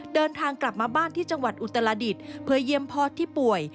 เดินทางกลับมาบ้านที่จังหวัดอุตรดิษฐ์เพื่อเยี่ยมพ่อที่ป่วย